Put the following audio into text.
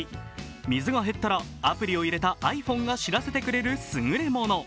水が減ったらアプリを入れたｉＰｈｏｎｅが知らせてくれるスグレモノ。